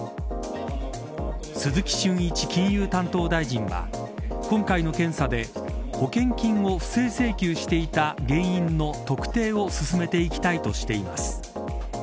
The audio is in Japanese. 鈴木俊一金融担当大臣は今回の検査で保険金を不正請求していた原因の特定を進めていきたいとしています。